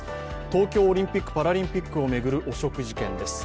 東京オリンピック・パラリンピックを巡る汚職事件です。